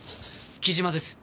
木島です。